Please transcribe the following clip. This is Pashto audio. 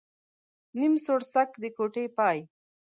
نيم سوړسک ، د کوټې پاى.